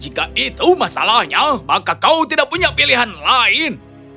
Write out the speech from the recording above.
jika itu masalahnya maka kau tidak punya pilihan lain